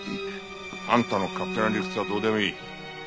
あんたの勝手な理屈はどうでもいい。